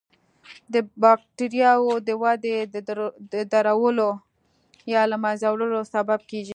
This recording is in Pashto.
د بکټریاوو د ودې د درولو یا له منځه وړلو سبب کیږي.